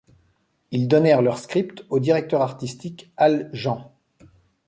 Ils donnèrent leur script au directeur artistique Al Jean.